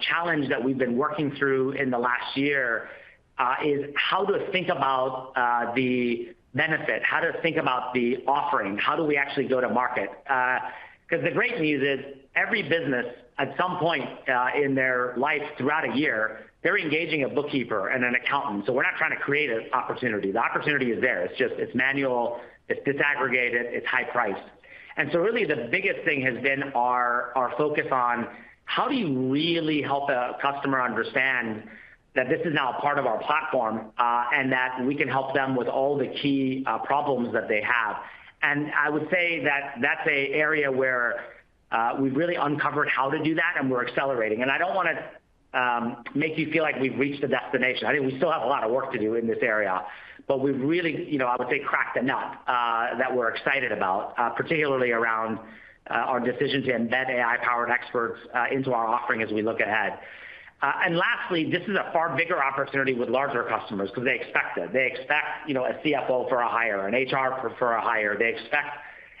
challenge that we've been working through in the last year is how to think about the benefit, how to think about the offering, how do we actually go to market? 'Cause the great news is every business, at some point in their life throughout a year, they're engaging a bookkeeper and an accountant, so we're not trying to create an opportunity. The opportunity is there. It's just manual, it's disaggregated, it's high priced. Really, the biggest thing has been our focus on: How do you really help a customer understand that this is now a part of our platform, and that we can help them with all the key problems that they have? I would say that that's an area where we've really uncovered how to do that, and we're accelerating. I don't wanna make you feel like we've reached the destination. I think we still have a lot of work to do in this area, but we've really, you know, I would say, cracked the nut that we're excited about, particularly around our decision to embed AI-powered experts into our offering as we look ahead. Lastly, this is a far bigger opportunity with larger customers because they expect it. They expect, you know, a CFO for hire, an HR for hire. They expect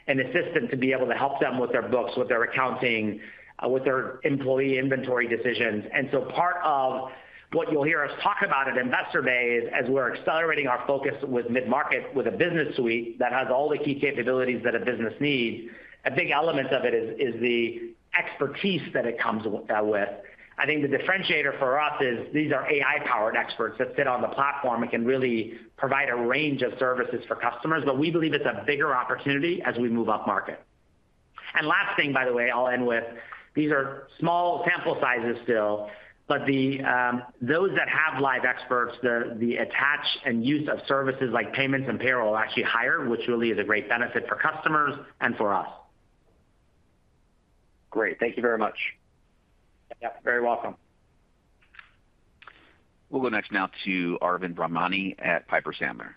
an assistant to be able to help them with their books, with their accounting, with their employee inventory decisions. And so part of what you'll hear us talk about at Investor Day is, as we're accelerating our focus with mid-market, with a business Suite that has all the key capabilities that a business needs, a big element of it is the expertise that it comes with. I think the differentiator for us is these are AI-powered experts that sit on the platform, and can really provide a range of services for customers, but we believe it's a bigger opportunity as we move up market. And last thing, by the way, I'll end with, these are small sample sizes still, but the... Those that have live experts, the attachment and use of services like payments and payroll are actually higher, which really is a great benefit for customers and for us. Great, thank you very much. Yep, very welcome. We'll go next now to Arvind Ramnani at Piper Sandler.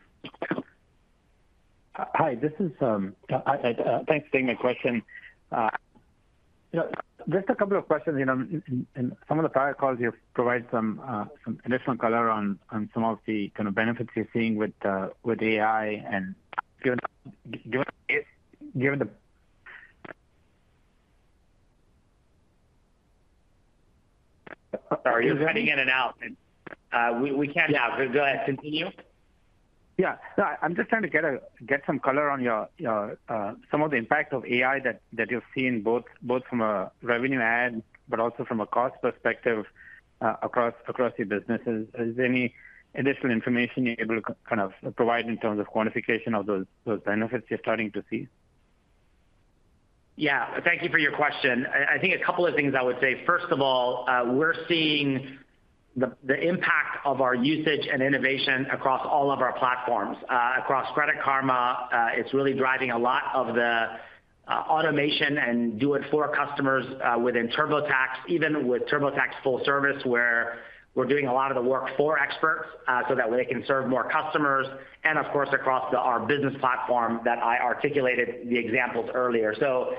Hi, this is, thanks for taking my question. Just a couple of questions. You know, in some of the prior calls, you've provided some additional color on some of the kind of benefits you're seeing with AI, and given the- Sorry, you're cutting in and out, and we can- Yeah. Go ahead. Continue. Yeah. No, I'm just trying to get some color on your, your, some of the impact of AI that you've seen, both from a revenue and, but also from a cost perspective, across the businesses. Is there any additional information you're able to kind of provide in terms of quantification of those benefits you're starting to see? Yeah, thank you for your question. I think a couple of things I would say, first of all, we're seeing the impact of our usage and innovation across all of our platforms. Across Credit Karma, it's really driving a lot of the automation and do it for customers within TurboTax, even with TurboTax Full Service, where we're doing a lot of the work for experts, so that way they can serve more customers, and of course, across our business platform that I articulated the examples earlier. So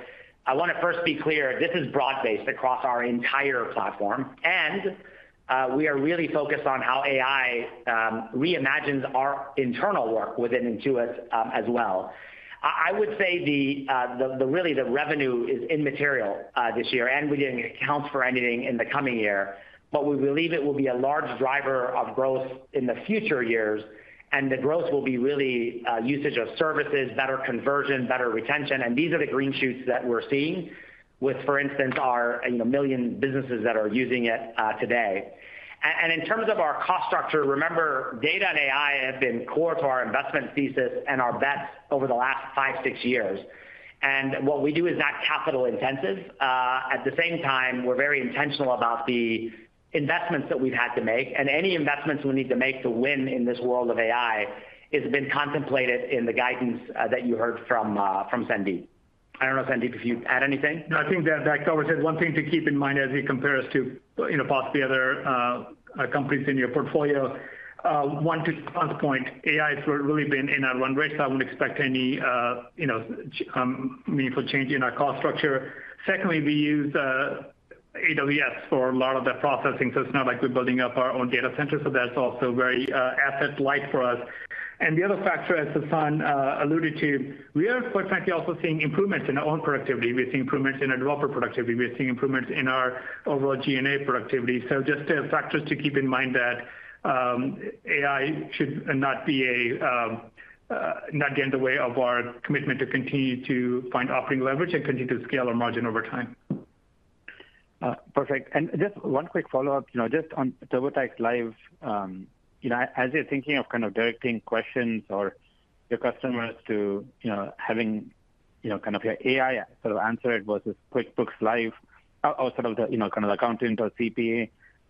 I want to first be clear, this is broad-based across our entire platform, and we are really focused on how AI reimagines our internal work within Intuit, as well. I would say the revenue is really immaterial this year, and we didn't account for anything in the coming year, but we believe it will be a large driver of growth in the future years, and the growth will be really usage of services, better conversion, better retention, and these are the green shoots that we're seeing with, for instance, our, you know, million businesses that are using it today, and in terms of our cost structure, remember, data and AI have been core to our investment thesis and our bets over the last five, six years, and what we do is not capital intensive. At the same time, we're very intentional about the investments that we've had to make, and any investments we need to make to win in this world of AI. It's been contemplated in the guidance that you heard from Sandeep. I don't know, Sandeep, if you'd add anything. No, I think that covers it. One thing to keep in mind as we compare us to, you know, perhaps the other companies in your portfolio, one, to Sasan's point, AI has really been in our run rate, so I wouldn't expect any, you know, meaningful change in our cost structure. Secondly, we use AWS for a lot of the processing, so it's not like we're building up our own data center. So that's also very asset-light for us. And the other factor, as Sasan alluded to, we are, quite frankly, also seeing improvements in our own productivity. We're seeing improvements in our developer productivity. We're seeing improvements in our overall G&A productivity. Just factors to keep in mind that AI should not get in the way of our commitment to continue to find operating leverage and continue to scale our margin over time. Perfect. And just one quick follow-up, you know, just on TurboTax Live, you know, as you're thinking of kind of directing questions or your customers to, you know, having, you know, kind of your AI sort of answer it versus QuickBooks Live, or, or sort of the, you know, kind of accountant or CPA.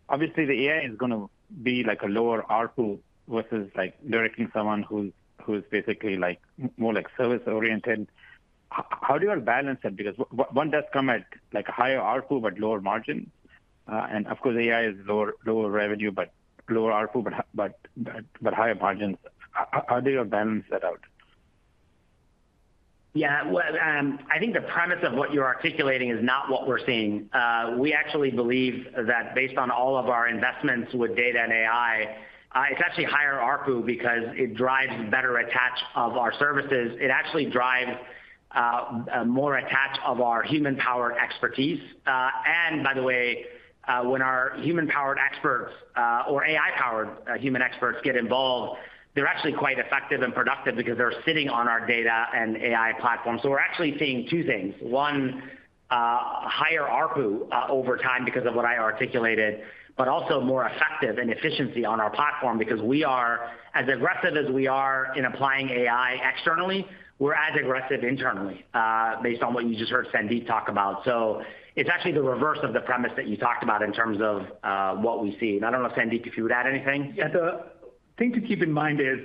Obviously, the AI is gonna be like a lower ARPU, versus, like, directing someone who is basically, like, more, like, service-oriented. How do you all balance that? Because one does come at, like, a higher ARPU, but lower margin. And of course, AI is lower revenue, but lower ARPU, but higher margins. How do you balance that out? Yeah, well, I think the premise of what you're articulating is not what we're seeing. We actually believe that based on all of our investments with data and AI, it's actually higher ARPU because it drives better attach of our services. It actually drives more attach of our human-powered expertise. And by the way, when our human-powered experts or AI-powered human experts get involved, they're actually quite effective and productive because they're sitting on our data and AI platform. So we're actually seeing two things: one, higher ARPU over time because of what I articulated, but also more effective and efficiency on our platform. Because we are as aggressive as we are in applying AI externally, we're as aggressive internally based on what you just heard Sandeep talk about. It's actually the reverse of the premise that you talked about in terms of what we see. I don't know, Sandeep, if you would add anything. Yeah, the thing to keep in mind is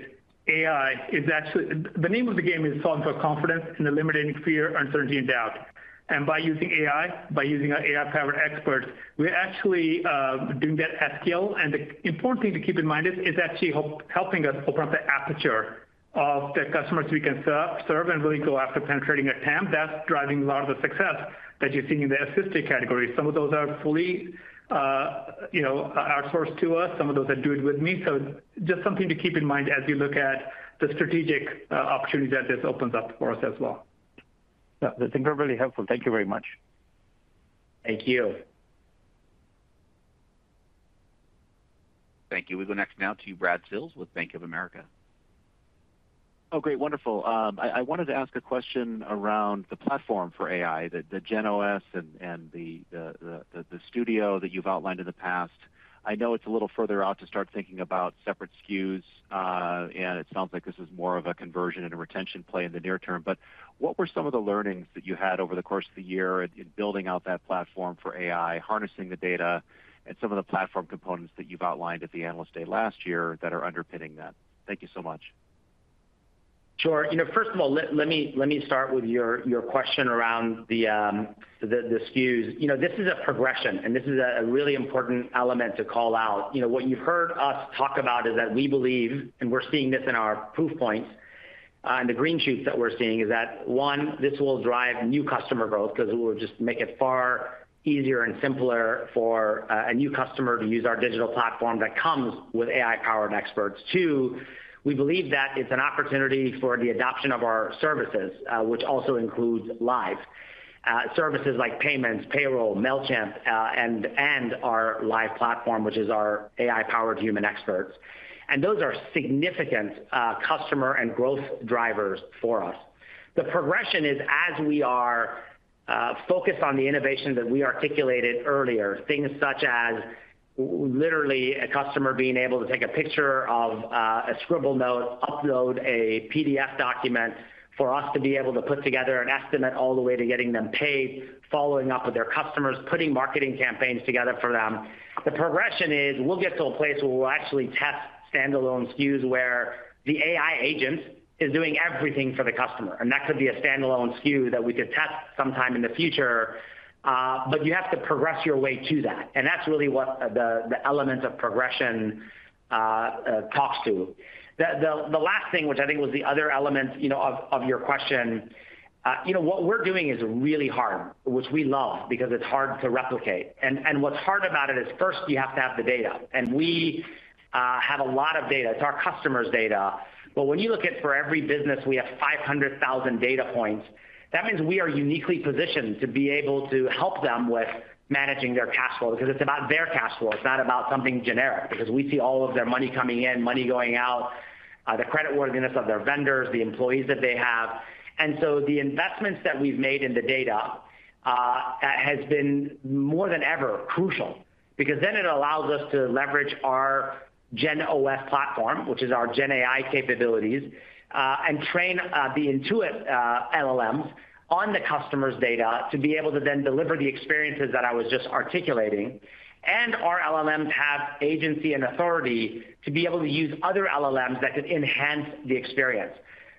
AI is actually. The name of the game is solving for confidence and eliminating fear, uncertainty, and doubt. And by using AI, by using our AI-powered experts, we're actually doing that at scale. And the important thing to keep in mind is actually helping us open up the aperture of the customers we can serve and really go after penetrating a TAM that's driving a lot of the success that you're seeing in the assisted category. Some of those are fully, you know, outsourced to us, some of those are do it with me. So just something to keep in mind as we look at the strategic opportunities that this opens up for us as well. Yeah, I think we're really helpful. Thank you very much. Thank you. Thank you. We go next now to Brad Sills with Bank of America. Oh, great, wonderful. I wanted to ask a question around the platform for AI, the GenOS, and the studio that you've outlined in the past. I know it's a little further out to start thinking about separate SKUs, and it sounds like this is more of a conversion and a retention play in the near term. But what were some of the learnings that you had over the course of the year in building out that platform for AI, harnessing the data, and some of the platform components that you've outlined at the Analyst Day last year that are underpinning that? Thank you so much. Sure. You know, first of all, let me start with your question around the SKUs. You know, this is a progression, and this is a really important element to call out. You know, what you've heard us talk about is that we believe, and we're seeing this in our proof points and the green shoots that we're seeing, is that, one, this will drive new customer growth because it will just make it far easier and simpler for a new customer to use our digital platform that comes with AI-powered experts. Two, we believe that it's an opportunity for the adoption of our services, which also includes Live services like payments, payroll, Mailchimp, and our Live platform, which is our AI-powered human experts. And those are significant customer and growth drivers for us. The progression is, as we are, focused on the innovation that we articulated earlier, things such as literally, a customer being able to take a picture of, a scribble note, upload a PDF document for us to be able to put together an estimate all the way to getting them paid, following up with their customers, putting marketing campaigns together for them. The progression is, we'll get to a place where we'll actually test standalone SKUs, where the AI agent is doing everything for the customer, and that could be a standalone SKU that we could test sometime in the future. But you have to progress your way to that, and that's really what the element of progression talks to. The last thing, which I think was the other element, you know, of your question, you know, what we're doing is really hard, which we love, because it's hard to replicate, and what's hard about it is, first, you have to have the data, and we have a lot of data. It's our customers' data. But when you look at for every business, we have 500,000 data points. That means we are uniquely positioned to be able to help them with managing their cash flow because it's about their cash flow. It's not about something generic, because we see all of their money coming in, money going out, the creditworthiness of their vendors, the employees that they have. And so the investments that we've made in the data has been more than ever crucial, because then it allows us to leverage our GenOS platform, which is our GenAI capabilities, and train the Intuit LLMs on the customer's data to be able to then deliver the experiences that I was just articulating. And our LLMs have agency and authority to be able to use other LLMs that could enhance the experience.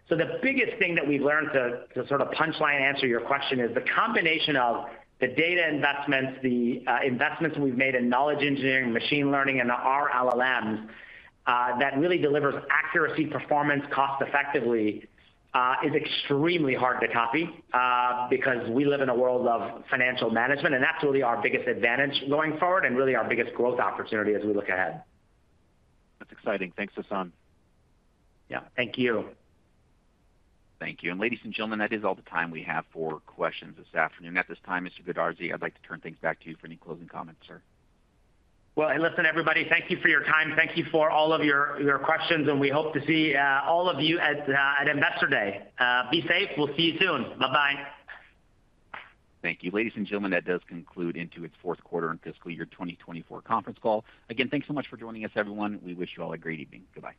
So the biggest thing that we've learned, to sort of punchline answer your question, is the combination of the data investments, the investments we've made in knowledge engineering, machine learning, and our LLMs, that really delivers accuracy, performance, cost effectively, is extremely hard to copy, because we live in a world of financial management, and that's really our biggest advantage going forward and really our biggest growth opportunity as we look ahead. That's exciting. Thanks, Sasan. Yeah. Thank you. Thank you, and ladies and gentlemen, that is all the time we have for questions this afternoon. At this time, Mr. Goodarzi, I'd like to turn things back to you for any closing comments, sir. Listen, everybody, thank you for your time. Thank you for all of your questions, and we hope to see all of you at Investor Day. Be safe. We'll see you soon. Bye-bye. Thank you. Ladies and gentlemen, that does conclude Intuit's Q4 and FY 2024 conference call. Again, thanks so much for joining us, everyone. We wish you all a great evening. Goodbye.